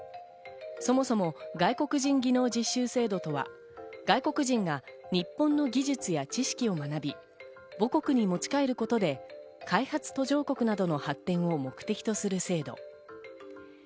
そもそも外国人技能実習制度とは外国人が日本の技術や知識を学び、母国に持ち帰ることで開発途上国などの発展を目的とする制度。